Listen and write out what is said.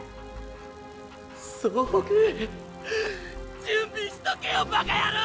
総北準備しとけよバカヤロウ！